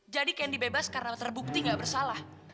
jadi candy bebas karena terbukti gak bersalah